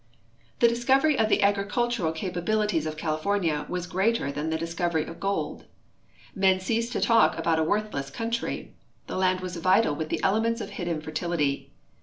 The discovery of the agricultural capabilities of California was greater than the discovery of gold. Men ceased to talk about a worthless country. The land was vital with the elements of hidden fertility.